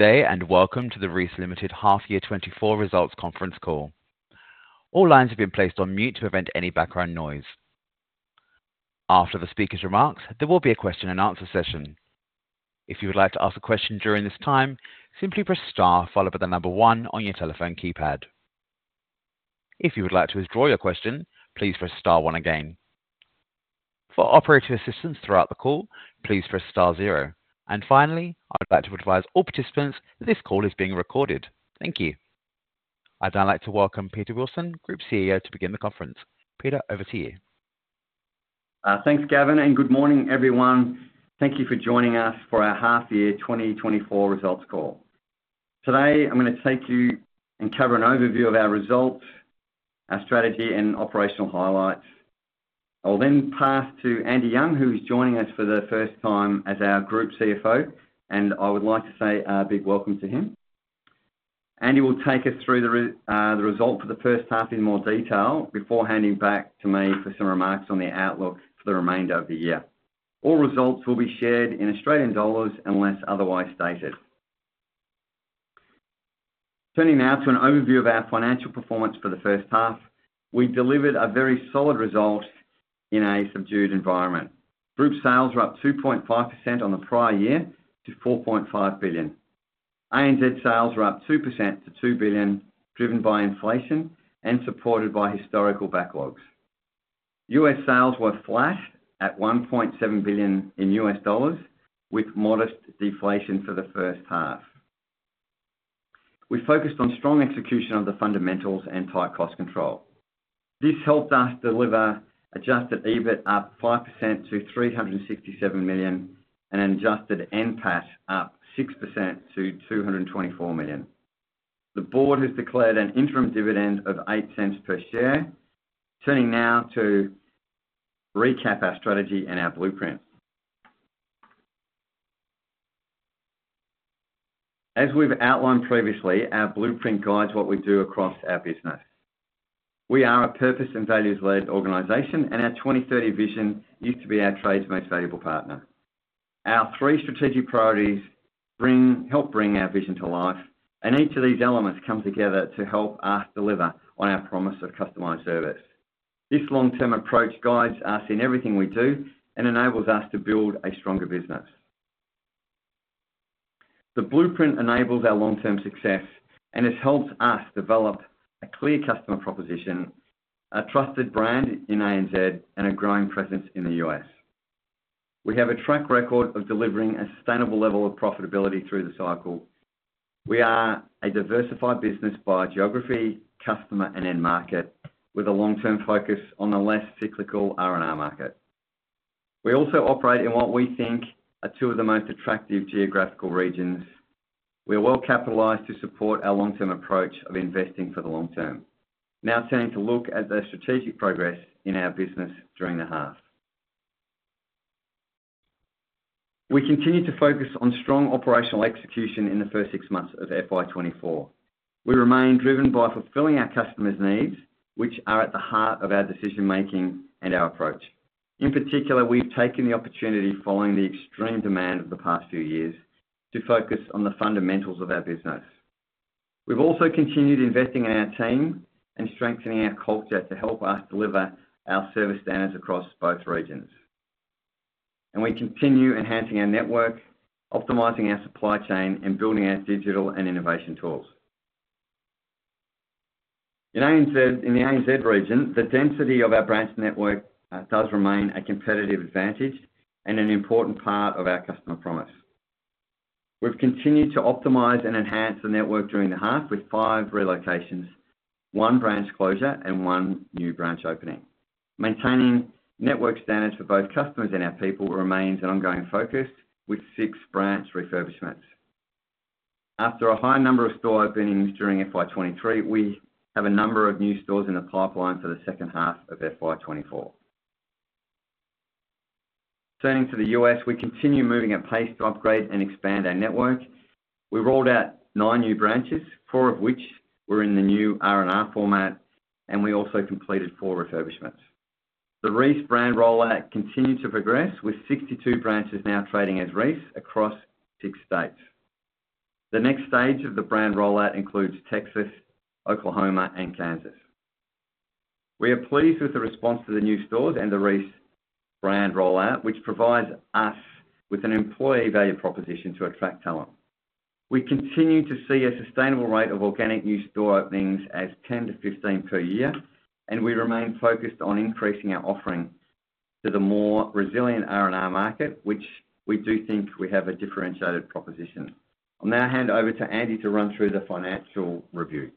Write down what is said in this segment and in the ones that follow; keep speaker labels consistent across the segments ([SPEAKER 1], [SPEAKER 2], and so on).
[SPEAKER 1] day and welcome to the Reece Limited Half Year 2024 Results Conference call. All lines have been placed on mute to prevent any background noise. After the speaker's remarks, there will be a question and answer session. If you would like to ask a question during this time, simply press star, followed by the number one on your telephone keypad. If you would like to withdraw your question, please press star one again. For operator assistance throughout the call, please press star zero. And finally, I would like to advise all participants that this call is being recorded. Thank you. I'd now like to welcome Peter Wilson, Group CEO, to begin the conference. Peter, over to you.
[SPEAKER 2] Thanks, Gavin, and good morning, everyone. Thank you for joining us for our Half Year 2024 Results call. Today, I'm going to take you and cover an overview of our results, our strategy, and operational highlights. I will then pass to Andy Young, who is joining us for the first time as our Group CFO, and I would like to say a big welcome to him. Andy will take us through the result for the first half in more detail before handing back to me for some remarks on the outlook for the remainder of the year. All results will be shared in Australian dollars unless otherwise stated. Turning now to an overview of our financial performance for the first half, we delivered a very solid result in a subdued environment. Group sales were up 2.5% on the prior year to 4.5 billion. ANZ sales were up 2% to 2 billion, driven by inflation and supported by historical backlogs. US sales were flat at $1.7 billion, with modest deflation for the first half. We focused on strong execution of the fundamentals and tight cost control. This helped us deliver adjusted EBIT up 5% to 367 million and an adjusted NPAT up 6% to 224 million. The board has declared an interim dividend of 0.08 per share. Turning now to recap our strategy and our blueprint. As we've outlined previously, our blueprint guides what we do across our business. We are a purpose and values-led organization, and our 2030 vision used to be our trade's most valuable partner. Our three strategic priorities help bring our vision to life, and each of these elements comes together to help us deliver on our promise of customized service. This long-term approach guides us in everything we do and enables us to build a stronger business. The blueprint enables our long-term success and has helped us develop a clear customer proposition, a trusted brand in ANZ, and a growing presence in the US. We have a track record of delivering a sustainable level of profitability through the cycle. We are a diversified business by geography, customer, and end market, with a long-term focus on the less cyclical R&R market. We also operate in what we think are two of the most attractive geographical regions. We are well-capitalised to support our long-term approach of investing for the long term. Now, turning to look at the strategic progress in our business during the half. We continue to focus on strong operational execution in the first six months of FY24. We remain driven by fulfilling our customers' needs, which are at the heart of our decision-making and our approach. In particular, we've taken the opportunity, following the extreme demand of the past few years, to focus on the fundamentals of our business. We've also continued investing in our team and strengthening our culture to help us deliver our service standards across both regions. And we continue enhancing our network, optimizing our supply chain, and building our digital and innovation tools. In the ANZ region, the density of our branch network does remain a competitive advantage and an important part of our customer promise. We've continued to optimize and enhance the network during the half with 5 relocations, one branch closure, and one new branch opening. Maintaining network standards for both customers and our people remains an ongoing focus with 6 branch refurbishments. After a high number of store openings during FY23, we have a number of new stores in the pipeline for the second half of FY24. Turning to the U.S., we continue moving at pace to upgrade and expand our network. We rolled out 9 new branches, 4 of which were in the new R&R format, and we also completed 4 refurbishments. The Reece brand rollout continued to progress, with 62 branches now trading as Reece across 6 states. The next stage of the brand rollout includes Texas, Oklahoma, and Kansas. We are pleased with the response to the new stores and the Reece brand rollout, which provides us with an employee value proposition to attract talent. We continue to see a sustainable rate of organic new store openings as 10-15 per year, and we remain focused on increasing our offering to the more resilient R&R market, which we do think we have a differentiated proposition. I'll now hand over to Andy to run through the financial review.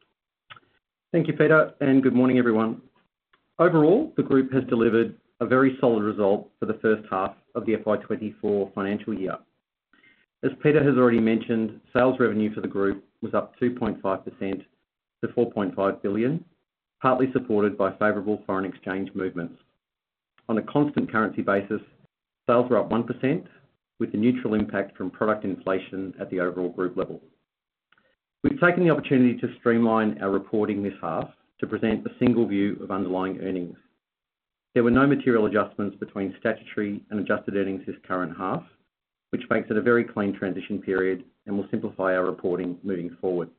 [SPEAKER 3] Thank you, Peter, and good morning, everyone. Overall, the group has delivered a very solid result for the first half of the FY24 financial year. As Peter has already mentioned, sales revenue for the group was up 2.5% to 4.5 billion, partly supported by favorable foreign exchange movements. On a constant currency basis, sales were up 1%, with a neutral impact from product inflation at the overall group level. We've taken the opportunity to streamline our reporting this half to present a single view of underlying earnings. There were no material adjustments between statutory and adjusted earnings this current half, which makes it a very clean transition period and will simplify our reporting moving forward.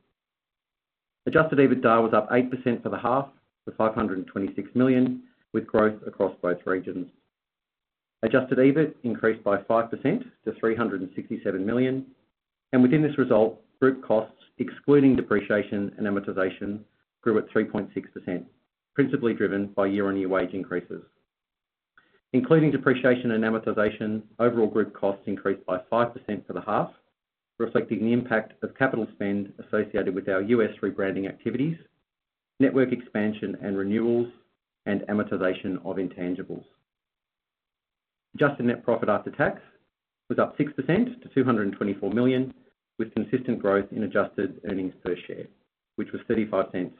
[SPEAKER 3] Adjusted EBITDA was up 8% for the half to 526 million, with growth across both regions. Adjusted EBIT increased by 5% to 367 million, and within this result, group costs, excluding depreciation and amortization, grew at 3.6%, principally driven by year-on-year wage increases. Including depreciation and amortization, overall group costs increased by 5% for the half, reflecting the impact of capital spend associated with our U.S. rebranding activities, network expansion and renewals, and amortization of intangibles. Adjusted net profit after tax was up 6% to 224 million, with consistent growth in adjusted earnings per share, which was 0.35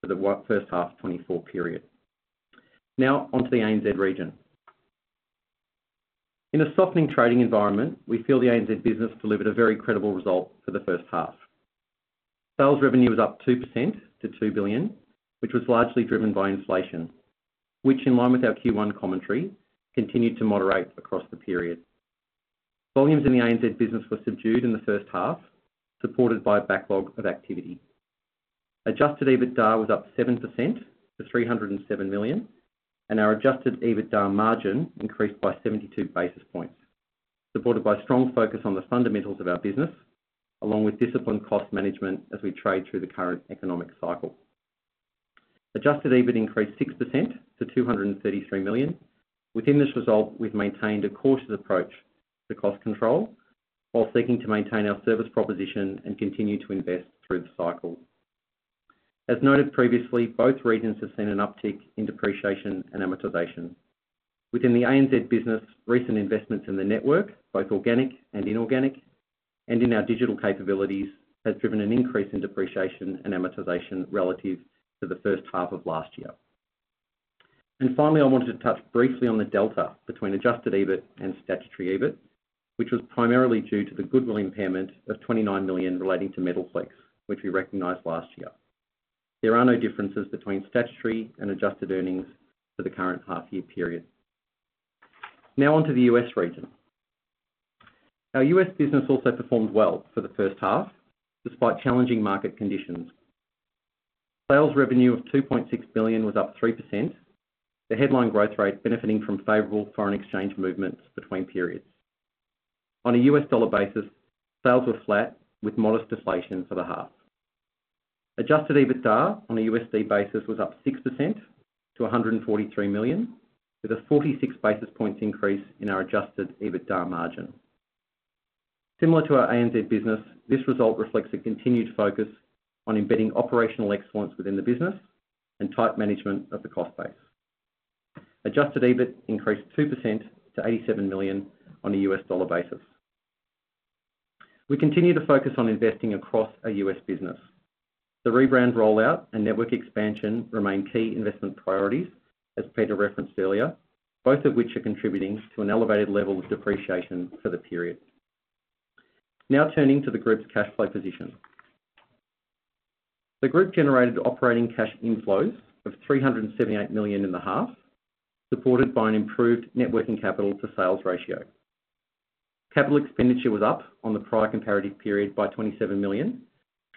[SPEAKER 3] for the first half 2024 period. Now, onto the ANZ region. In a softening trading environment, we feel the ANZ business delivered a very credible result for the first half. Sales revenue was up 2% to 2 billion, which was largely driven by inflation, which, in line with our Q1 commentary, continued to moderate across the period. Volumes in the ANZ business were subdued in the first half, supported by a backlog of activity. Adjusted EBITDA was up 7% to 307 million, and our adjusted EBITDA margin increased by 72 basis points, supported by strong focus on the fundamentals of our business, along with disciplined cost management as we trade through the current economic cycle. Adjusted EBIT increased 6% to 233 million. Within this result, we've maintained a cautious approach to cost control while seeking to maintain our service proposition and continue to invest through the cycle. As noted previously, both regions have seen an uptick in depreciation and amortization. Within the ANZ business, recent investments in the network, both organic and inorganic, and in our digital capabilities, have driven an increase in depreciation and amortization relative to the first half of last year. Finally, I wanted to touch briefly on the delta between adjusted EBIT and statutory EBIT, which was primarily due to the goodwill impairment of 29 million relating to Metalflex, which we recognized last year. There are no differences between statutory and adjusted earnings for the current half-year period. Now, onto the U.S. region. Our U.S. business also performed well for the first half despite challenging market conditions. Sales revenue of $2.6 billion was up 3%, the headline growth rate benefiting from favorable foreign exchange movements between periods. On a U.S. dollar basis, sales were flat, with modest deflation for the half. Adjusted EBITDA on a USD basis was up 6% to $143 million, with a 46 basis points increase in our adjusted EBITDA margin. Similar to our ANZ business, this result reflects a continued focus on embedding operational excellence within the business and tight management of the cost base. Adjusted EBIT increased 2% to $87 million on a U.S. dollar basis. We continue to focus on investing across our U.S. business. The rebrand rollout and network expansion remain key investment priorities, as Peter referenced earlier, both of which are contributing to an elevated level of depreciation for the period. Now, turning to the group's cash flow position. The group generated operating cash inflows of 378 million in the half, supported by an improved net working capital-to-sales ratio. Capital expenditure was up on the prior comparative period by 27 million,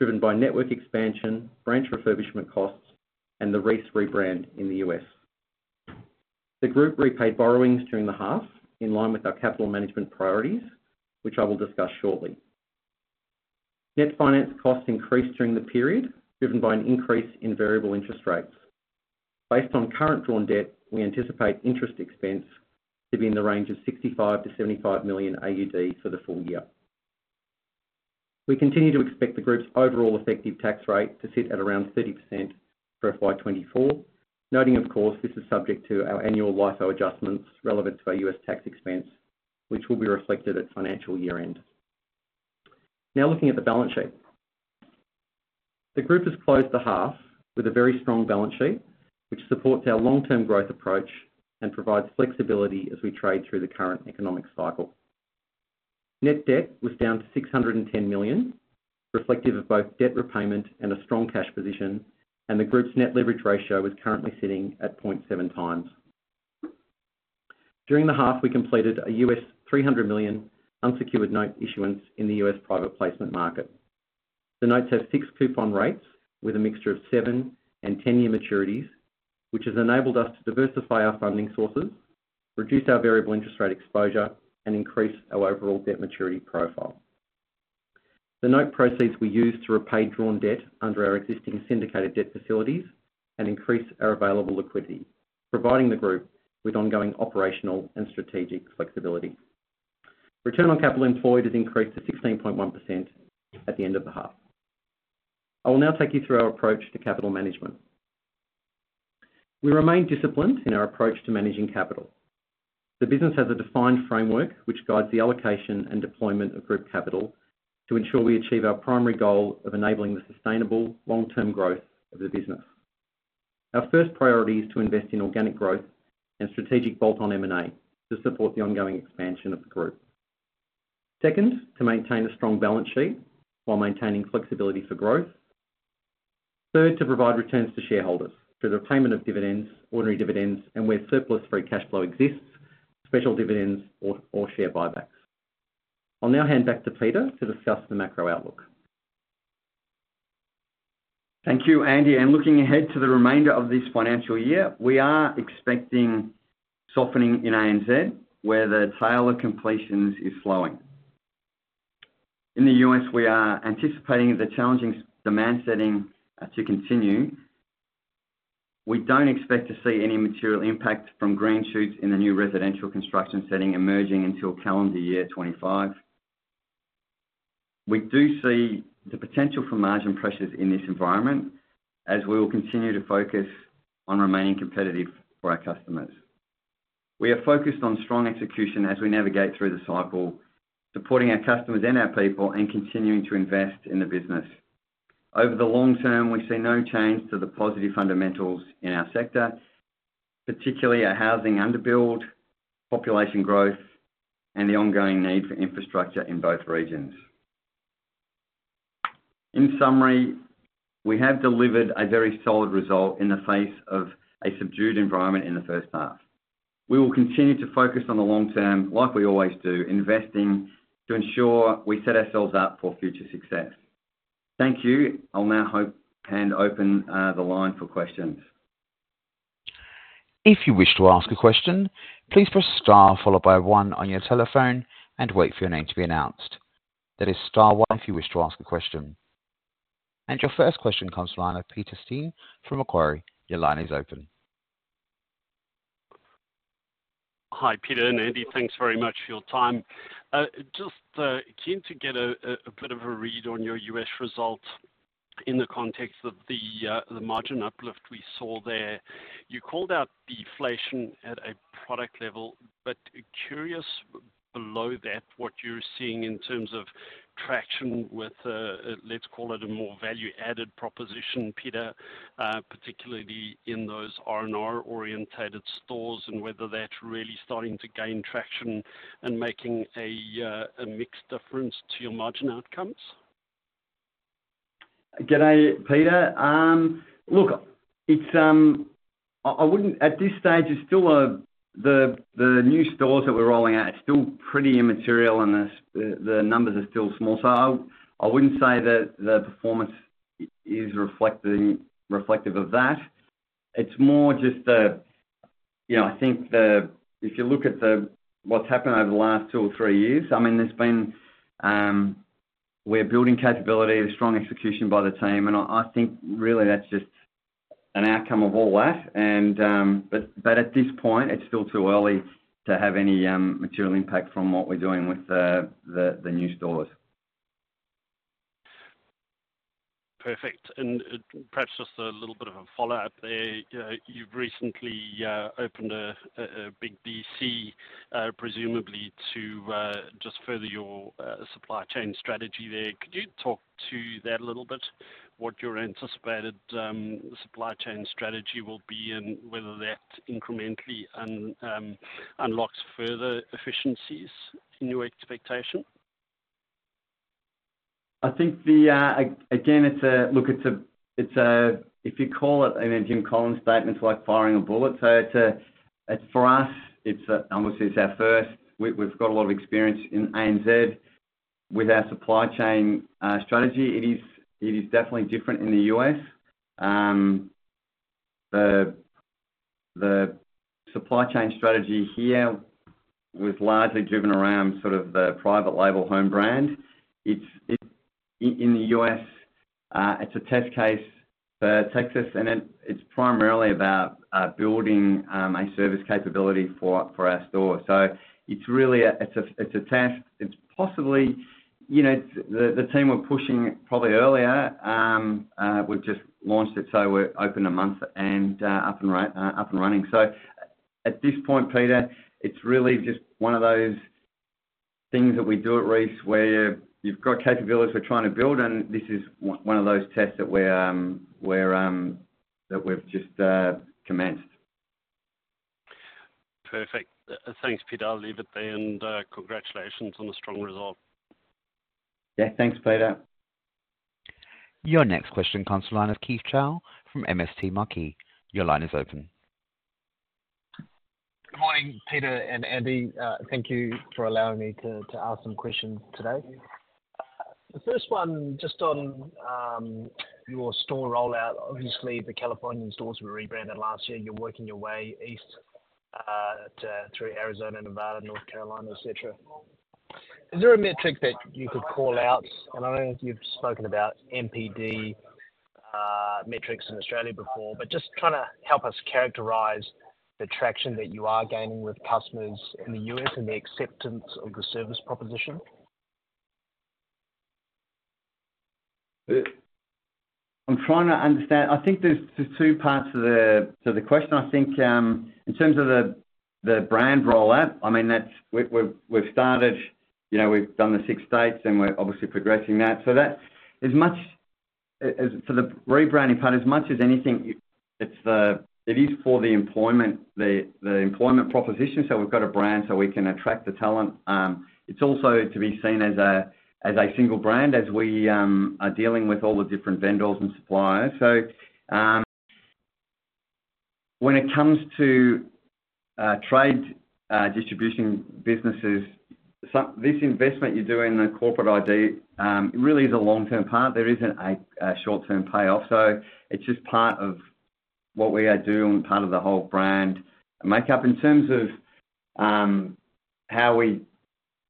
[SPEAKER 3] driven by network expansion, branch refurbishment costs, and the Reece rebrand in the U.S. The group repaid borrowings during the half in line with our capital management priorities, which I will discuss shortly. Net finance costs increased during the period, driven by an increase in variable interest rates. Based on current drawn debt, we anticipate interest expense to be in the range of 65 million-75 million AUD for the full year. We continue to expect the group's overall effective tax rate to sit at around 30% for FY24, noting, of course, this is subject to our annual LIFO adjustments relevant to our U.S. tax expense, which will be reflected at financial year-end. Now, looking at the balance sheet. The group has closed the half with a very strong balance sheet, which supports our long-term growth approach and provides flexibility as we trade through the current economic cycle. Net debt was down to 610 million, reflective of both debt repayment and a strong cash position, and the group's net leverage ratio is currently sitting at 0.7x. During the half, we completed a $300 million unsecured note issuance in the U.S. private placement market. The notes have fixed coupon rates with a mixture of 7 and 10-year maturities, which has enabled us to diversify our funding sources, reduce our variable interest rate exposure, and increase our overall debt maturity profile. The note proceeds were used to repay drawn debt under our existing syndicated debt facilities and increase our available liquidity, providing the group with ongoing operational and strategic flexibility. Return on capital employed has increased to 16.1% at the end of the half. I will now take you through our approach to capital management. We remain disciplined in our approach to managing capital. The business has a defined framework, which guides the allocation and deployment of group capital to ensure we achieve our primary goal of enabling the sustainable long-term growth of the business. Our first priority is to invest in organic growth and strategic bolt-on M&A to support the ongoing expansion of the group. Second, to maintain a strong balance sheet while maintaining flexibility for growth. Third, to provide returns to shareholders through the payment of dividends, ordinary dividends, and where surplus-free cash flow exists, special dividends or share buybacks. I'll now hand back to Peter to discuss the macro outlook.
[SPEAKER 2] Thank you, Andy. Looking ahead to the remainder of this financial year, we are expecting softening in ANZ where the tail of completions is slowing. In the U.S., we are anticipating the challenging demand setting to continue. We don't expect to see any material impact from green shoots in the new residential construction setting emerging until calendar year 2025. We do see the potential for margin pressures in this environment as we will continue to focus on remaining competitive for our customers. We are focused on strong execution as we navigate through the cycle, supporting our customers and our people, and continuing to invest in the business. Over the long term, we see no change to the positive fundamentals in our sector, particularly our housing underbuild, population growth, and the ongoing need for infrastructure in both regions. In summary, we have delivered a very solid result in the face of a subdued environment in the first half. We will continue to focus on the long term, like we always do, investing to ensure we set ourselves up for future success. Thank you. I'll now hand over and open the line for questions.
[SPEAKER 1] If you wish to ask a question, please press star followed by one on your telephone and wait for your name to be announced. That is star one if you wish to ask a question. Your first question comes from the line of Peter Steyn from Macquarie. Your line is open.
[SPEAKER 4] Hi, Peter and Andy. Thanks very much for your time. Just keen to get a bit of a read on your U.S. result in the context of the margin uplift we saw there. You called out deflation at a product level, but curious below that, what you're seeing in terms of traction with, let's call it, a more value-added proposition, Peter, particularly in those R&R-oriented stores and whether that's really starting to gain traction and making a mixed difference to your margin outcomes.
[SPEAKER 2] Again, Peter, look, at this stage, the new stores that we're rolling out are still pretty immaterial, and the numbers are still small. So I wouldn't say that the performance is reflective of that. It's more just, I think, if you look at what's happened over the last two or three years, I mean, we're building capability, the strong execution by the team. And I think, really, that's just an outcome of all that. But at this point, it's still too early to have any material impact from what we're doing with the new stores.
[SPEAKER 4] Perfect. And perhaps just a little bit of a follow-up there. You've recently opened a big DC, presumably, to just further your supply chain strategy there. Could you talk to that a little bit, what your anticipated supply chain strategy will be and whether that incrementally unlocks further efficiencies in your expectation?
[SPEAKER 2] I think, again, look, if you call it an Jim Collins statement, it's like firing a bullet. So for us, obviously, it's our first. We've got a lot of experience in ANZ with our supply chain strategy. It is definitely different in the U.S. The supply chain strategy here was largely driven around sort of the private label home brand. In the U.S., it's a test case for Texas, and it's primarily about building a service capability for our store. So it's a test. It's possibly the team were pushing probably earlier. We've just launched it. So we're open a month and up and running. So at this point, Peter, it's really just one of those things that we do at Reece where you've got capabilities we're trying to build, and this is one of those tests that we've just commenced.
[SPEAKER 4] Perfect. Thanks, Peter. I'll leave it there, and congratulations on a strong result.
[SPEAKER 2] Yeah. Thanks, Peter.
[SPEAKER 1] Your next question, caller, is Keith Chau from MST Marquee. Your line is open.
[SPEAKER 5] Good morning, Peter and Andy. Thank you for allowing me to ask some questions today. The first one, just on your store rollout. Obviously, the Californian stores were rebranded last year. You're working your way east through Arizona, Nevada, North Carolina, etc. Is there a metric that you could call out? And I don't know if you've spoken about NPS metrics in Australia before, but just trying to help us characterize the traction that you are gaining with customers in the U.S. and the acceptance of the service proposition.
[SPEAKER 2] I'm trying to understand. I think there's two parts to the question. I think in terms of the brand rollout, I mean, we've started. We've done the six states, and we're obviously progressing that. So for the rebranding part, as much as anything, it is for the employment proposition. So we've got a brand so we can attract the talent. It's also to be seen as a single brand as we are dealing with all the different vendors and suppliers. So when it comes to trade distribution businesses, this investment you do in the corporate ID, it really is a long-term part. There isn't a short-term payoff. So it's just part of what we do and part of the whole brand makeup. In terms of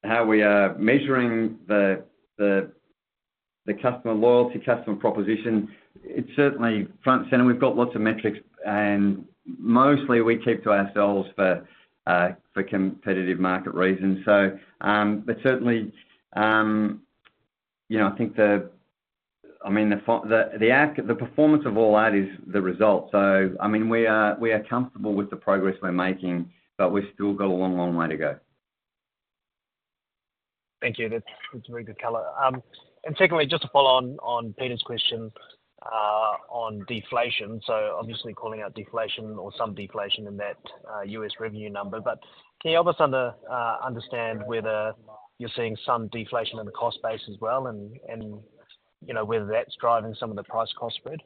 [SPEAKER 2] how we are measuring the customer loyalty, customer proposition, it's certainly front and center. We've got lots of metrics, and mostly, we keep to ourselves for competitive market reasons. But certainly, I think the performance of all that is the result. So I mean, we are comfortable with the progress we're making, but we've still got a long, long way to go.
[SPEAKER 5] Thank you. That's a very good color. And secondly, just to follow on Peter's question on deflation, so obviously calling out deflation or some deflation in that U.S. revenue number. But can you help us understand whether you're seeing some deflation in the cost base as well and whether that's driving some of the price-cost spread?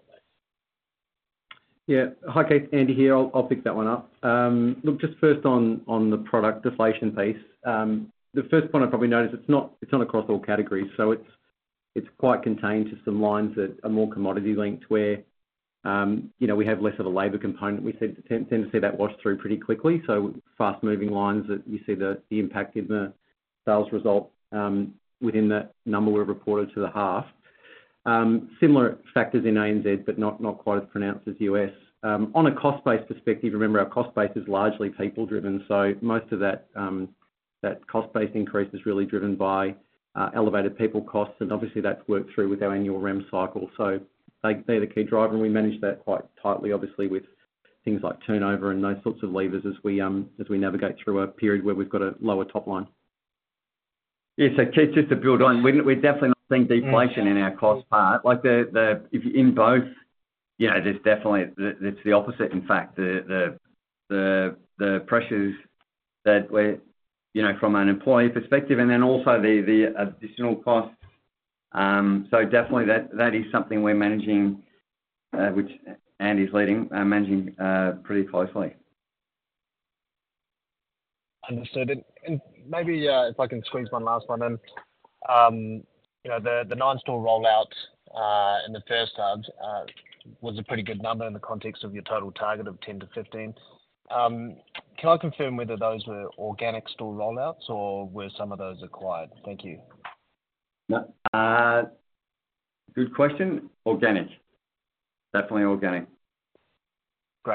[SPEAKER 2] Yeah. Hi, Keith. Andy here. I'll pick that one up. Look, just first on the product deflation piece, the first point I probably noticed, it's not across all categories. So it's quite contained to some lines that are more commodity-linked where we have less of a labor component. We tend to see that wash through pretty quickly. So fast-moving lines that you see the impact in the sales result within that number were reported to the half. Similar factors in ANZ, but not quite as pronounced as U.S. On a cost-based perspective, remember, our cost base is largely people-driven. So most of that cost-based increase is really driven by elevated people costs. And obviously, that's worked through with our annual REM cycle. So they're the key driver, and we manage that quite tightly, obviously, with things like turnover and those sorts of levers as we navigate through a period where we've got a lower top line. Yeah. So just to build on, we're definitely not seeing deflation in our cost part. In both, it's the opposite, in fact, the pressures from an employee perspective and then also the additional costs. So definitely, that is something we're managing, which Andy's leading, managing pretty closely.
[SPEAKER 5] Understood. Maybe if I can squeeze one last one in, the 9-store rollout in the first half was a pretty good number in the context of your total target of 10-15. Can I confirm whether those were organic store rollouts, or were some of those acquired? Thank you.
[SPEAKER 2] Good question. Organic. Definitely organic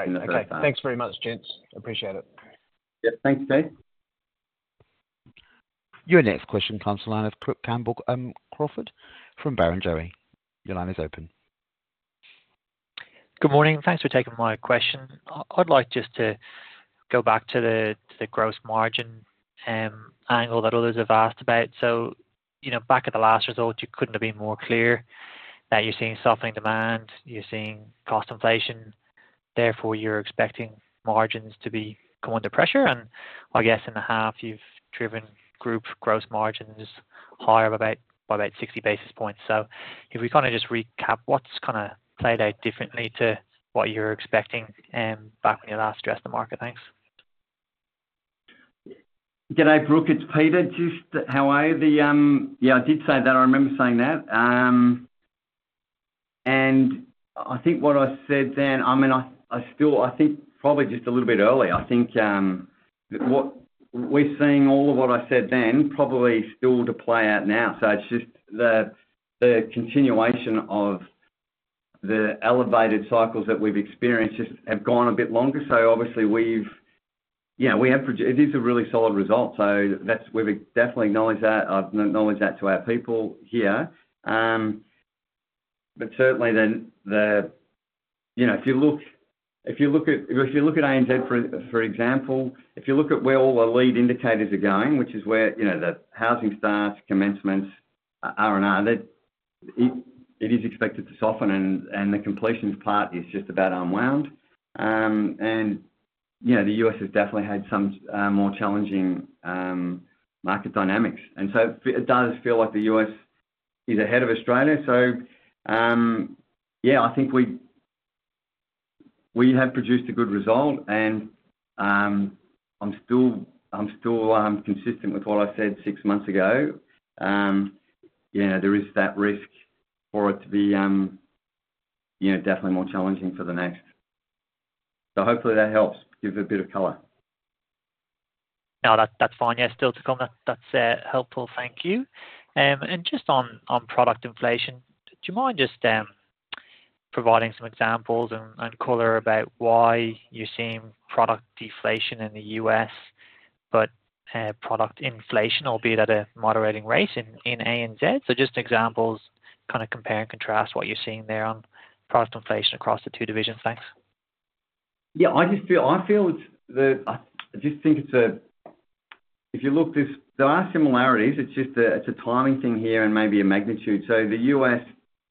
[SPEAKER 2] in the first half.
[SPEAKER 5] Great. Okay. Thanks very much, gents. Appreciate it.
[SPEAKER 2] Yeah. Thanks, Keith.
[SPEAKER 1] Your next question, caller, is from Barrenjoey. Your line is open.
[SPEAKER 6] Good morning. Thanks for taking my question. I'd like just to go back to the gross margin angle that others have asked about. So back at the last result, you couldn't have been more clear that you're seeing softening demand. You're seeing cost inflation. Therefore, you're expecting margins to be going under pressure. And I guess in the half, you've driven group gross margins higher by about 60 basis points. So if we kind of just recap, what's kind of played out differently to what you were expecting back when you last addressed the market? Thanks.
[SPEAKER 2] Did I break it, Peter, just how I yeah, I did say that. I remember saying that. And I think what I said then I mean, I think probably just a little bit early. I think we're seeing all of what I said then probably still to play out now. So it's just the continuation of the elevated cycles that we've experienced just have gone a bit longer. So obviously, yeah, it is a really solid result. So we've definitely acknowledged that. I've acknowledged that to our people here. But certainly, if you look at ANZ, for example, if you look at where all the lead indicators are going, which is where the housing starts, commencements, R&R, it is expected to soften. And the completions part is just about unwound. And the U.S. has definitely had some more challenging market dynamics. And so it does feel like the U.S. is ahead of Australia. So yeah, I think we have produced a good result, and I'm still consistent with what I said six months ago. There is that risk for it to be definitely more challenging for the next. So hopefully, that helps give a bit of color.
[SPEAKER 6] No, that's fine. Yeah, still to come. That's helpful. Thank you. And just on product inflation, do you mind just providing some examples and color about why you're seeing product deflation in the U.S. but product inflation, albeit at a moderating rate, in ANZ? So just examples, kind of compare and contrast what you're seeing there on product inflation across the two divisions. Thanks.
[SPEAKER 2] Yeah. I feel that. I just think it's a if you look there are similarities. It's a timing thing here and maybe a magnitude. So the U.S.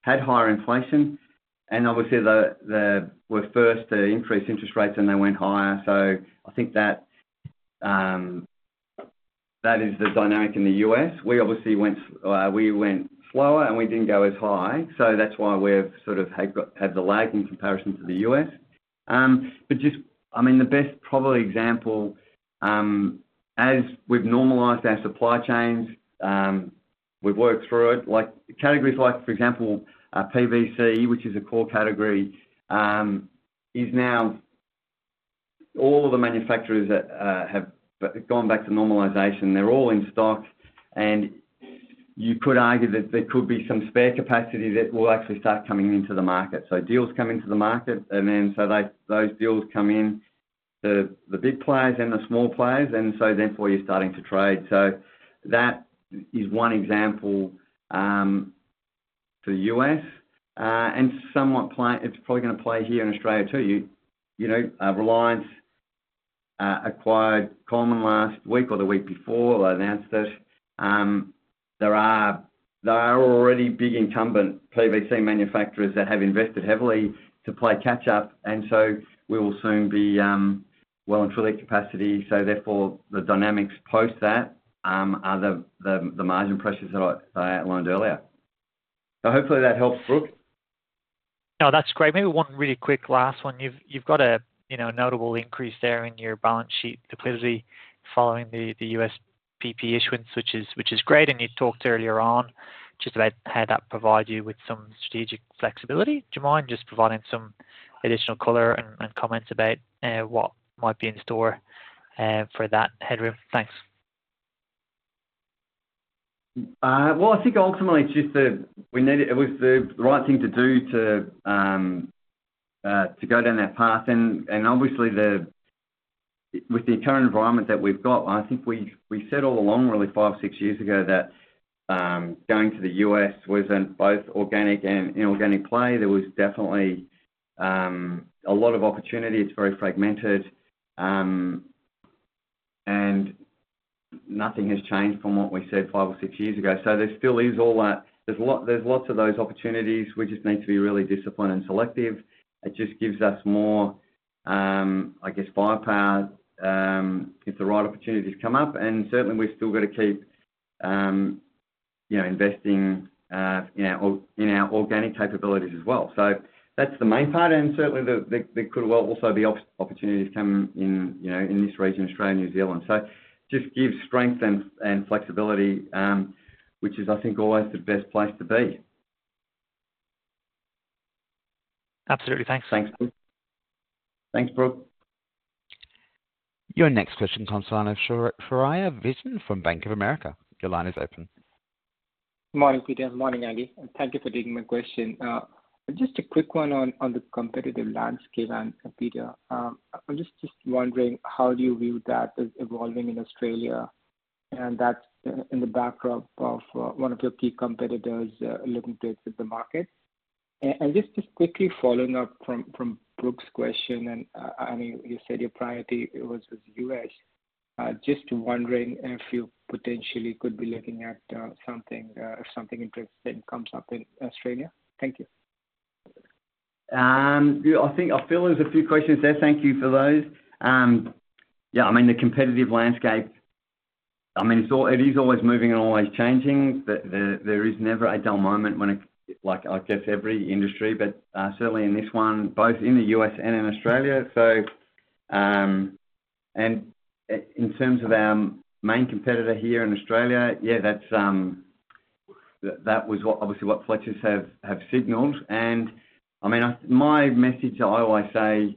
[SPEAKER 2] had higher inflation, and obviously, they were first to increase interest rates, and they went higher. So I think that is the dynamic in the U.S. We obviously went slower, and we didn't go as high. So that's why we've sort of had the lag in comparison to the U.S. But I mean, the best probably example, as we've normalized our supply chains, we've worked through it. Categories like, for example, PVC, which is a core category, is now all of the manufacturers have gone back to normalization. They're all in stock. And you could argue that there could be some spare capacity that will actually start coming into the market. So deals come into the market, and then so those deals come in to the big players and the small players. And so therefore, you're starting to trade. So that is one example for the U.S. And it's probably going to play here in Australia too. Reliance acquired Holman last week or the week before. They announced it. There are already big incumbent PVC manufacturers that have invested heavily to play catch-up. And so we will soon be well and fully at capacity. So therefore, the dynamics post that are the margin pressures that I outlined earlier. So hopefully, that helps, Brook.
[SPEAKER 6] No, that's great. Maybe one really quick last one. You've got a notable increase there in your balance sheet liquidity following the US PP issuance, which is great. And you talked earlier on just about how that provides you with some strategic flexibility. Do you mind just providing some additional color and comments about what might be in store for that headroom? Thanks.
[SPEAKER 2] Well, I think ultimately, it's just that it was the right thing to do to go down that path. Obviously, with the current environment that we've got, I think we said all along, really, five or six years ago, that going to the U.S. was both organic and inorganic play. There was definitely a lot of opportunity. It's very fragmented, and nothing has changed from what we said five or six years ago. There still is all that there's lots of those opportunities. We just need to be really disciplined and selective. It just gives us more, I guess, firepower if the right opportunities come up. Certainly, we've still got to keep investing in our organic capabilities as well. That's the main part. Certainly, there could well also be opportunities come in this region, Australia, New Zealand. So it just gives strength and flexibility, which is, I think, always the best place to be.
[SPEAKER 6] Absolutely. Thanks.
[SPEAKER 2] Thanks, Brook. Thanks, Brook.
[SPEAKER 1] Your next question, Caller, is for Xia Wei from Bank of America. Your line is open.
[SPEAKER 7] Good morning, Peter. Morning, Andy. And thank you for taking my question. Just a quick one on the competitive landscape, Peter. I'm just wondering, how do you view that as evolving in Australia and that in the backdrop of one of your key competitors looking to exit the market? And just quickly following up from Brook's question, and I know you said your priority was U.S. Just wondering if you potentially could be looking at something if something interesting comes up in Australia. Thank you.
[SPEAKER 2] I feel there's a few questions there. Thank you for those. Yeah. I mean, the competitive landscape, I mean, it is always moving and always changing. There is never a dull moment when I guess every industry, but certainly in this one, both in the U.S. and in Australia. In terms of our main competitor here in Australia, yeah, that was obviously what Fletchers have signalled. I mean, my message I always say,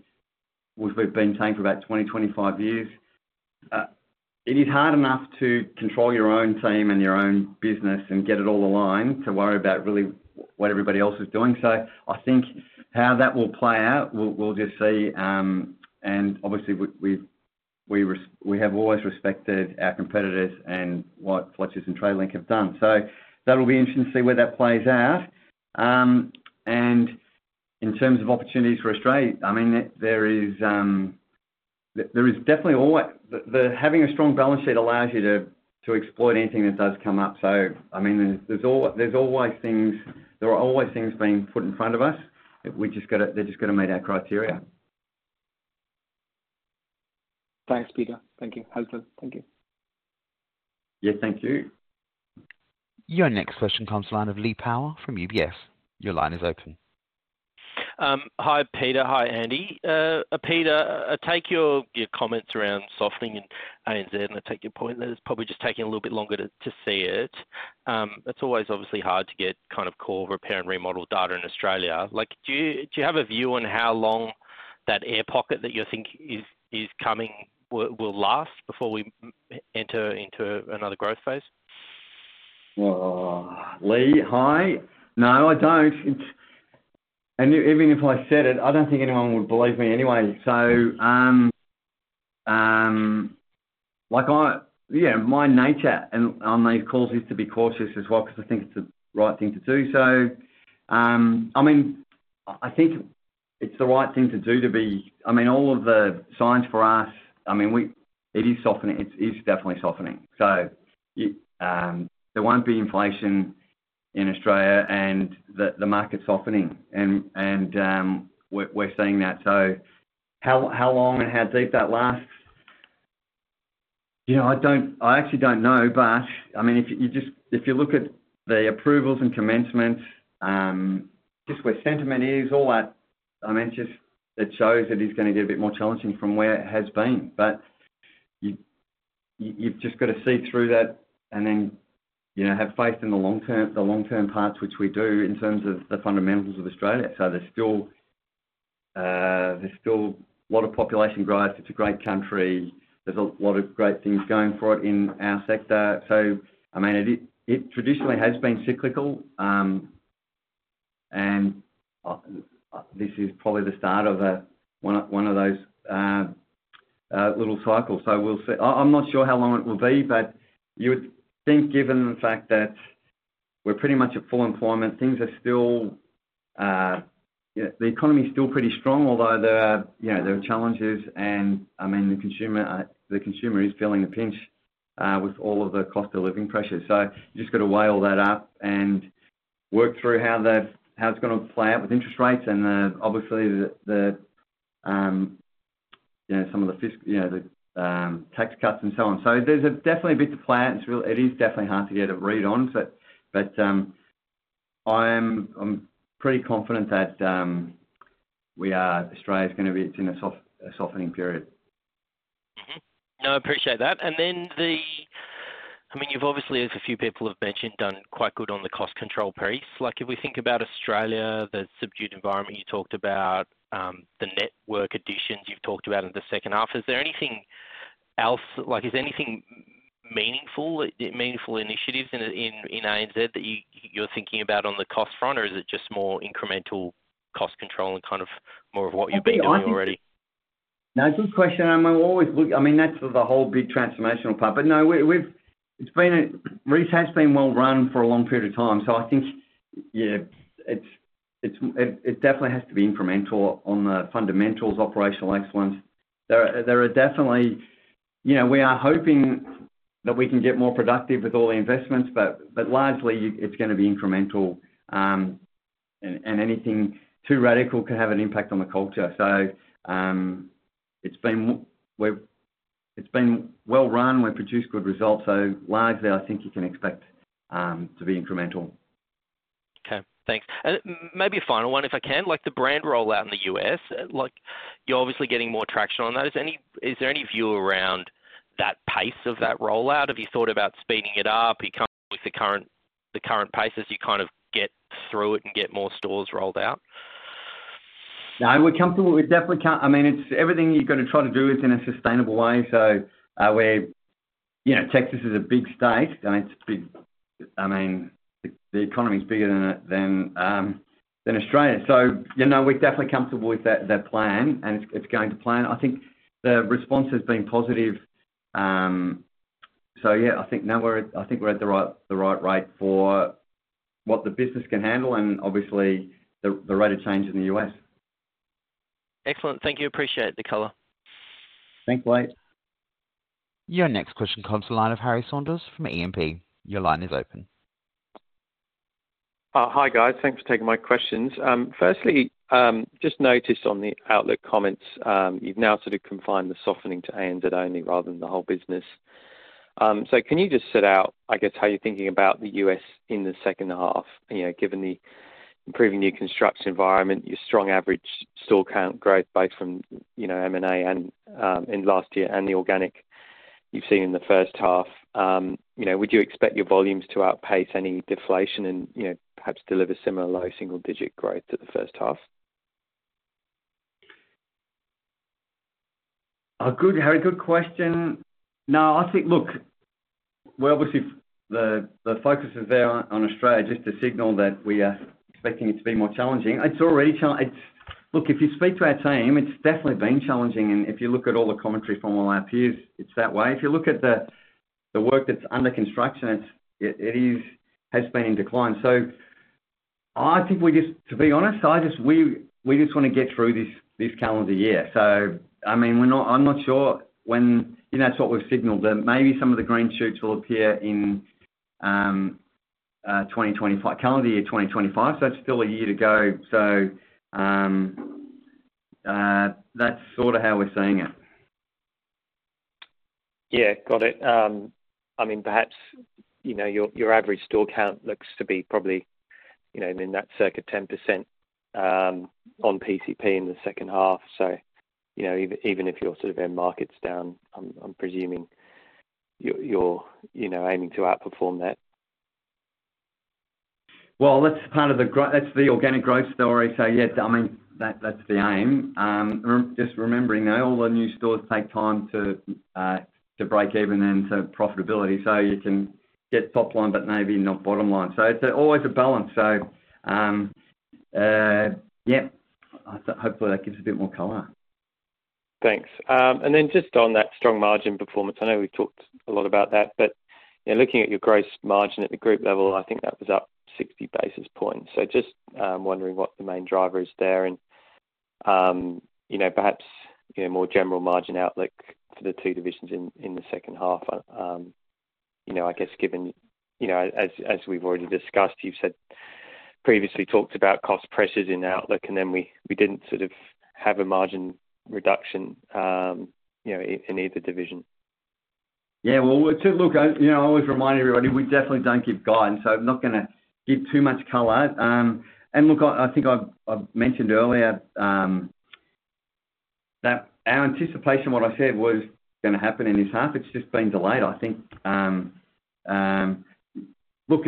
[SPEAKER 2] which we've been saying for about 20, 25 years, it is hard enough to control your own team and your own business and get it all aligned to worry about really what everybody else is doing. So I think how that will play out, we'll just see. Obviously, we have always respected our competitors and what Fletchers and Tradelink have done. So that'll be interesting to see where that plays out. In terms of opportunities for Australia, I mean, there is definitely always having a strong balance sheet allows you to exploit anything that does come up. So I mean, there's always things being put in front of us. They're just going to meet our criteria.
[SPEAKER 7] Thanks, Peter. Thank you. Helpful. Thank you.
[SPEAKER 2] Yeah. Thank you.
[SPEAKER 1] Your next question, caller, is from UBS. Your line is open.
[SPEAKER 8] Hi, Peter. Hi, Andy. Peter, take your comments around softening in ANZ, and I take your point that it's probably just taking a little bit longer to see it. It's always obviously hard to get kind of core repair and remodel data in Australia. Do you have a view on how long that air pocket that you think will last before we enter into another growth phase?
[SPEAKER 2] Lee, hi. No, I don't. Even if I said it, I don't think anyone would believe me anyway. So yeah, my nature on these calls is to be cautious as well because I think it's the right thing to do. So I mean, I think it's the right thing to do to be I mean, all of the signs for us I mean, it is softening. It is definitely softening. So there won't be inflation in Australia, and the market's softening, and we're seeing that. So how long and how deep that lasts, I actually don't know. But I mean, if you look at the approvals and commencements, just where sentiment is, all that, I mean, it shows it is going to get a bit more challenging from where it has been. But you've just got to see through that and then have faith in the long-term parts, which we do, in terms of the fundamentals of Australia. So there's still a lot of population growth. It's a great country. There's a lot of great things going for it in our sector. So I mean, it traditionally has been cyclical, and this is probably the start of one of those little cycles. So I'm not sure how long it will be, but you would think given the fact that we're pretty much at full employment, things are still the economy's still pretty strong, although there are challenges. And I mean, the consumer is feeling the pinch with all of the cost of living pressures. So you've just got to weigh all that up and work through how it's going to play out with interest rates and obviously some of the tax cuts and so on. So there's definitely a bit to play out. It is definitely hard to get a read on, but I'm pretty confident that Australia's going to be. It's in a softening period.
[SPEAKER 8] No, I appreciate that. Then I mean, you've obviously, as a few people have mentioned, done quite good on the cost control piece. If we think about Australia, the subdued environment you talked about, the network additions you've talked about in the second half, is there anything meaningful initiatives in ANZ that you're thinking about on the cost front, or is it just more incremental cost control and kind of more of what you're being doing already?
[SPEAKER 2] No, good question. I mean, that's the whole big transformational part. But no, it's been, Reece has been well run for a long period of time. So I think, yeah, it definitely has to be incremental on the fundamentals, operational excellence. There are definitely, we are hoping that we can get more productive with all the investments, but largely, it's going to be incremental. And anything too radical can have an impact on the culture. So it's been well run. We've produced good results. So largely, I think you can expect to be incremental.
[SPEAKER 8] Okay. Thanks. And maybe a final one, if I can, the brand rollout in the U.S. You're obviously getting more traction on that. Is there any view around that pace of that rollout? Have you thought about speeding it up, coming with the current pace as you kind of get through it and get more stores rolled out?
[SPEAKER 2] No, we're comfortable. I mean, everything you've got to try to do is in a sustainable way. So Texas is a big state, and it's a big I mean, the economy's bigger than Australia. So we're definitely comfortable with that plan, and it's going to plan. I think the response has been positive. So yeah, I think we're at the right rate for what the business can handle and obviously the rate of change in the U.S.
[SPEAKER 8] Excellent. Thank you. Appreciate the color.
[SPEAKER 2] Thanks, Lee.
[SPEAKER 1] Your next question comes to the line of Harry Saunders from E&P. Your line is open.
[SPEAKER 9] Hi, guys. Thanks for taking my questions. Firstly, just noticed on the outlook comments, you've now sort of confined the softening to ANZ only rather than the whole business. So can you just set out, I guess, how you're thinking about the US in the second half, given the improving new construction environment, your strong average store count growth both from M&A last year and the organic you've seen in the first half? Would you expect your volumes to outpace any deflation and perhaps deliver similar low single-digit growth at the first half?
[SPEAKER 2] A very good question. No, I think, look, we're obviously the focus is there on Australia just to signal that we are expecting it to be more challenging. Look, if you speak to our team, it's definitely been challenging. And if you look at all the commentary from all our peers, it's that way. If you look at the work that's under construction, it has been in decline. So I think we just to be honest, we just want to get through this calendar year. So I mean, I'm not sure when that's what we've signalled, that maybe some of the green shoots will appear in calendar year 2025. So it's still a year to go. So that's sort of how we're seeing it.
[SPEAKER 9] Yeah. Got it. I mean, perhaps your average store count looks to be probably in that circuit, 10% on PCP in the second half. So even if you're sort of end markets down, I'm presuming you're aiming to outperform that.
[SPEAKER 2] Well, that's part of the organic growth story. So yeah, I mean, that's the aim. Just remembering, all the new stores take time to break even and to profitability. So you can get top line, but maybe not bottom line. So yeah, hopefully, that gives a bit more color.
[SPEAKER 9] Thanks. And then just on that strong margin performance, I know we've talked a lot about that, but looking at your gross margin at the group level, I think that was up 60 basis points. So just wondering what the main driver is there and perhaps more general margin outlook for the two divisions in the second half, I guess, given as we've already discussed, you've previously talked about cost pressures in outlook, and then we didn't sort of have a margin reduction in either division.
[SPEAKER 2] Yeah. Well, look, I always remind everybody, we definitely don't give guidance. So I'm not going to give too much color. And look, I think I mentioned earlier that our anticipation, what I said, was going to happen in this half. It's just been delayed, I think. Look,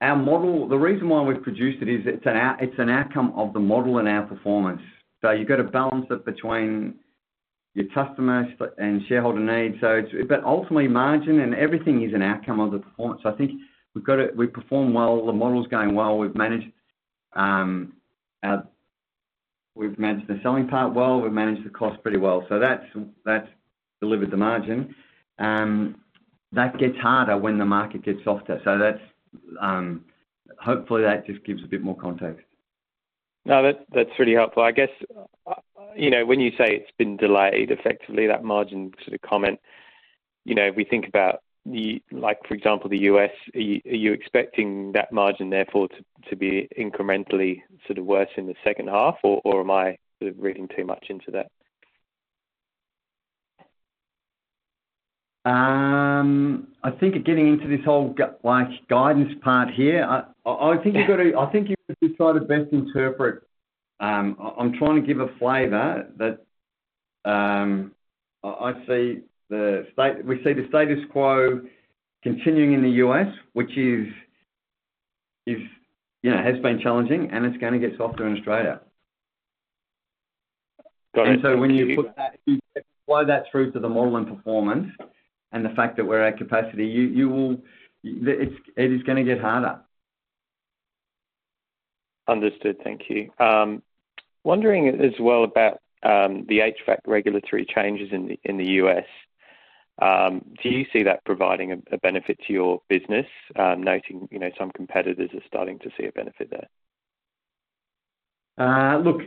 [SPEAKER 2] our model, the reason why we've produced it is it's an outcome of the model and our performance. So you've got to balance it between your customers and shareholder needs. But ultimately, margin and everything is an outcome of the performance. So I think we perform well. The model's going well. We've managed the selling part well. We've managed the cost pretty well. So that's delivered the margin. That gets harder when the market gets softer. So hopefully, that just gives a bit more context.
[SPEAKER 9] No, that's really helpful. I guess when you say it's been delayed, effectively, that margin sort of comment, if we think about, for example, the U.S., are you expecting that margin, therefore, to be incrementally sort of worse in the second half, or am I sort of reading too much into that?
[SPEAKER 2] I think getting into this whole guidance part here, I think you've got to try to best interpret. I'm trying to give a flavor that we see the status quo continuing in the US, which has been challenging, and it's going to get softer in Australia. So when you apply that through to the model and performance and the fact that we're at capacity, it is going to get harder.
[SPEAKER 9] Understood. Thank you. Wondering as well about the HVAC regulatory changes in the U.S. Do you see that providing a benefit to your business, noting some competitors are starting to see a benefit there?
[SPEAKER 2] Look,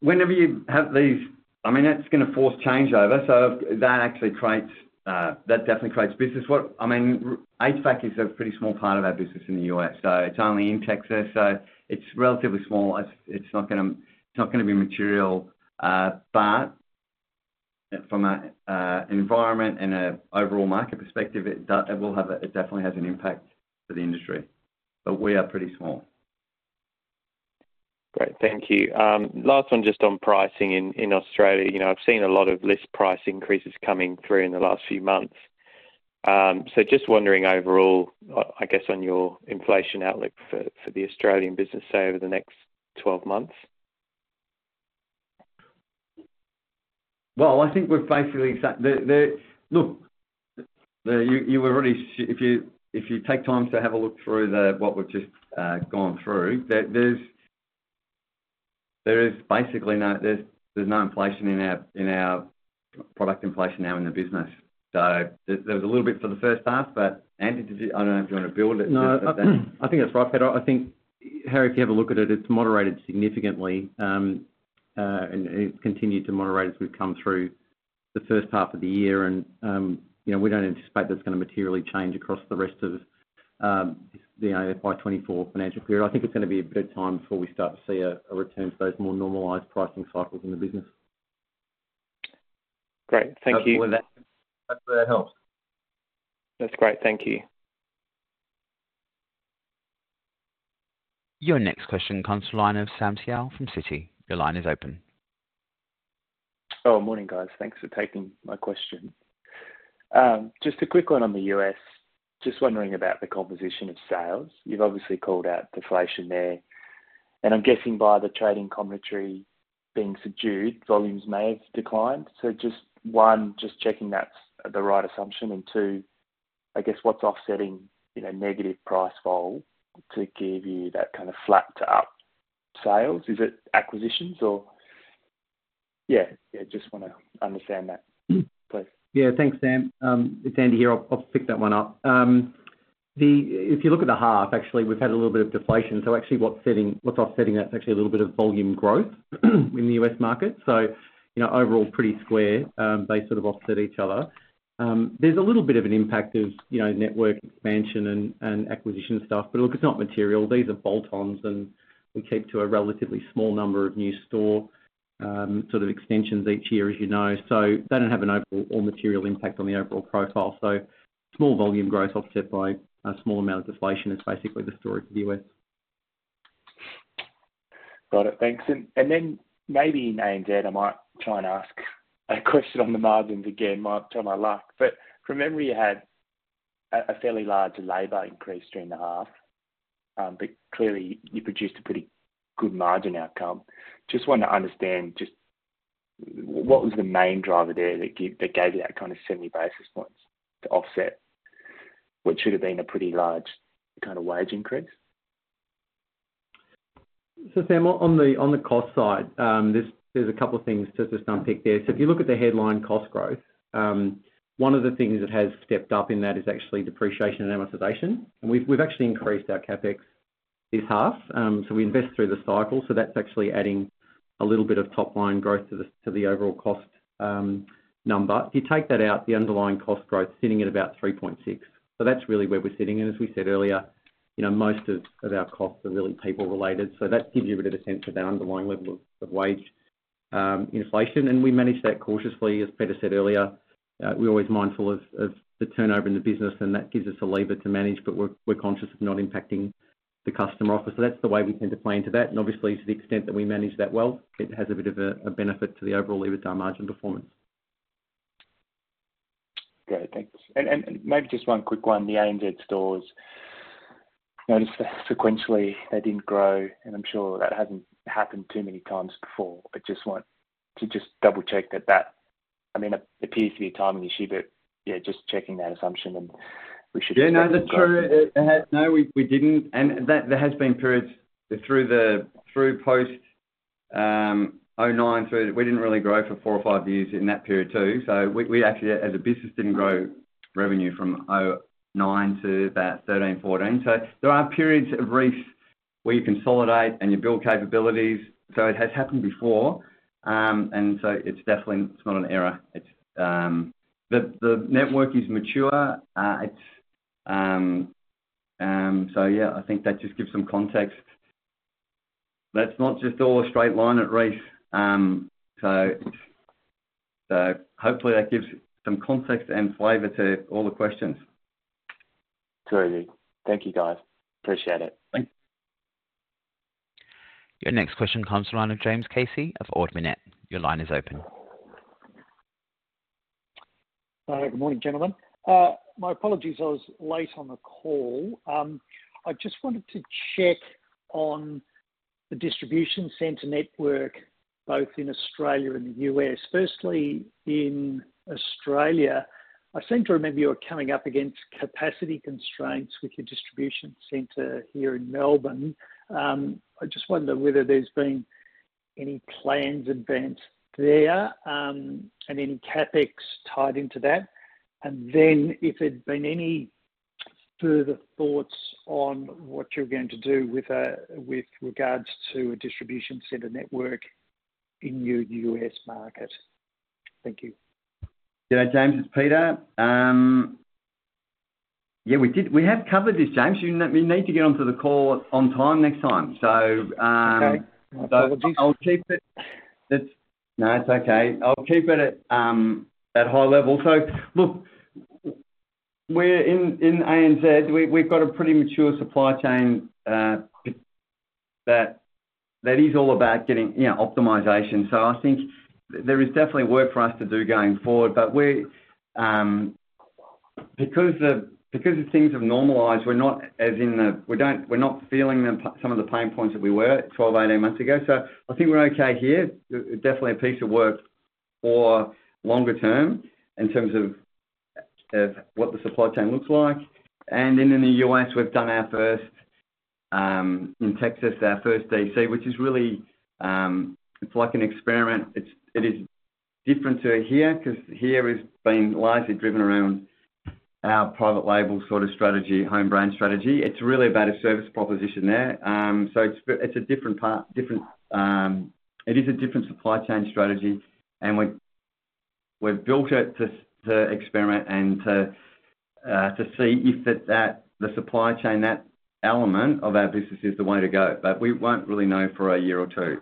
[SPEAKER 2] whenever you have these, I mean, it's going to force change over. So that actually creates that definitely creates business. I mean, HVAC is a pretty small part of our business in the U.S. So it's only in Texas. So it's relatively small. It's not going to be material. But from an environment and an overall market perspective, it definitely has an impact for the industry. But we are pretty small.
[SPEAKER 9] Great. Thank you. Last one, just on pricing in Australia. I've seen a lot of list price increases coming through in the last few months. So just wondering overall, I guess, on your inflation outlook for the Australian business, say, over the next 12 months?
[SPEAKER 2] Well, I think we're basically, look, you were already if you take time to have a look through what we've just gone through, there is basically no inflation in our product inflation now in the business. So there was a little bit for the first half, but Andy, I don't know if you want to build it.
[SPEAKER 9] No, I think that's right, Peter. I think, Harry, if you have a look at it, it's moderated significantly, and it's continued to moderate as we've come through the first half of the year. We don't anticipate that's going to materially change across the rest of the FY24 financial period. I think it's going to be a bit of time before we start to see a return to those more normalized pricing cycles in the business. Great. Thank you.
[SPEAKER 2] Hopefully, that helps.
[SPEAKER 9] That's great. Thank you.
[SPEAKER 1] Your next question comes to the line of Sam Teeger from Citi. Your line is open.
[SPEAKER 10] Oh, morning, guys. Thanks for taking my question. Just a quick one on the U.S. Just wondering about the composition of sales. You've obviously called out deflation there. And I'm guessing by the trading commentary being subdued, volumes may have declined. So just one, just checking that's the right assumption. And two, I guess, what's offsetting negative price vol to give you that kind of flat to up sales? Is it acquisitions, or? Yeah. Yeah. Just want to understand that, please.
[SPEAKER 3] Yeah. Thanks, Sam. It's Andy here. I'll pick that one up. If you look at the half, actually, we've had a little bit of deflation. So actually, what's offsetting that's actually a little bit of volume growth in the U.S. market. So overall, pretty square. They sort of offset each other. There's a little bit of an impact of network expansion and acquisition stuff. But look, it's not material. These are bolt-ons, and we keep to a relatively small number of new store sort of extensions each year, as you know. So they don't have an overall or material impact on the overall profile. So small volume growth offset by a small amount of deflation is basically the story for the U.S.
[SPEAKER 10] Got it. Thanks. And then maybe in ANZ, I might try and ask a question on the margins again, try my luck. But remember, you had a fairly large labour increase during the half, but clearly, you produced a pretty good margin outcome. Just want to understand, what was the main driver there that gave you that kind of 70 basis points to offset, which should have been a pretty large kind of wage increase?
[SPEAKER 3] So Sam, on the cost side, there's a couple of things to just unpick there. So if you look at the headline cost growth, one of the things that has stepped up in that is actually depreciation and amortization. And we've actually increased our CapEx this half. So we invest through the cycle. So that's actually adding a little bit of top line growth to the overall cost number. If you take that out, the underlying cost growth's sitting at about 3.6. So that's really where we're sitting. And as we said earlier, most of our costs are really people-related. So that gives you a bit of a sense of that underlying level of wage inflation. And we manage that cautiously. As Peter said earlier, we're always mindful of the turnover in the business, and that gives us a lever to manage. We're conscious of not impacting the customer office. That's the way we tend to play into that. Obviously, to the extent that we manage that well, it has a bit of a benefit to the overall leverage on margin performance.
[SPEAKER 10] Great. Thanks. And maybe just one quick one. The ANZ stores, noticed that sequentially, they didn't grow. And I'm sure that hasn't happened too many times before. I just want to just double-check that that I mean, it appears to be a timing issue, but yeah, just checking that assumption, and we should be satisfied.
[SPEAKER 2] Yeah. No, the truth no, we didn't. And there have been periods through post-2009, we didn't really grow for four or five years in that period too. So we actually, as a business, didn't grow revenue from 2009 to about 2013, 2014. So there are periods of Reece where you consolidate and you build capabilities. So it has happened before. And so it's definitely it's not an error. The network is mature. So yeah, I think that just gives some context. That's not just all a straight line at Reece. So hopefully, that gives some context and flavor to all the questions.
[SPEAKER 10] Terrific. Thank you, guys. Appreciate it.
[SPEAKER 2] Thanks.
[SPEAKER 1] Your next question comes to the line of James Casey of Ord Minnett. Your line is open.
[SPEAKER 11] Good morning, gentlemen. My apologies, I was late on the call. I just wanted to check on the distribution center network both in Australia and the U.S. Firstly, in Australia, I seem to remember you were coming up against capacity constraints with your distribution center here in Melbourne. I just wonder whether there's been any plans in advance there and any CapEx tied into that, and then if there'd been any further thoughts on what you're going to do with regards to a distribution center network in your U.S. market. Thank you.
[SPEAKER 2] Yeah, James. It's Peter. Yeah, we have covered this, James. We need to get onto the call on time next time. So I'll keep it.
[SPEAKER 11] Okay. My apologies.
[SPEAKER 2] No, it's okay. I'll keep it at that high level. So look, in ANZ, we've got a pretty mature supply chain that is all about getting optimization. So I think there is definitely work for us to do going forward. But because things have normalized, we're not feeling some of the pain points that we were 12, 18 months ago. So I think we're okay here. Definitely a piece of work for longer term in terms of what the supply chain looks like. And then in the US, we've done our first in Texas, our first DC, which is really it's like an experiment. It is different to here because here has been largely driven around our private label sort of strategy, home brand strategy. It's really about a service proposition there. So it's a different supply chain strategy. We've built it to experiment and to see if the supply chain, that element of our business, is the way to go. We won't really know for a year or two.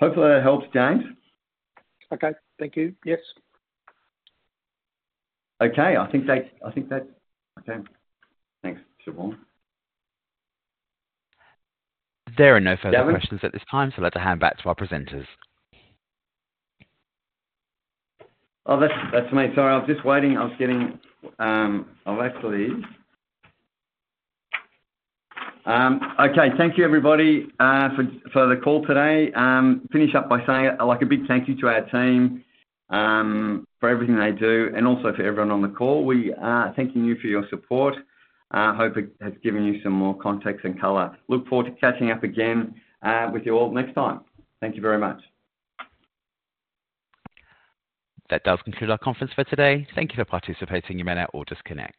[SPEAKER 2] Hopefully, that helps, James.
[SPEAKER 11] Okay. Thank you. Yes.
[SPEAKER 2] Okay. I think that's okay. Thanks, Siobhan.
[SPEAKER 1] There are no further questions at this time, so I'll hand it back to our presenters.
[SPEAKER 2] Oh, that's me. Sorry. I was just waiting. I was actually okay. Thank you, everybody, for the call today. Finish up by saying a big thank you to our team for everything they do and also for everyone on the call. Thanking you for your support. Hope it has given you some more context and color. Look forward to catching up again with you all next time. Thank you very much.
[SPEAKER 1] That does conclude our conference for today. Thank you for participating. You may now all disconnect.